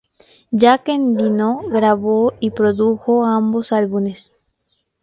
Jack Endino grabó y produjo ambos álbumes.